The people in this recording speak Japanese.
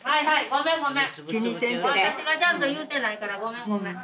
私がちゃんと言うてないからごめんごめん。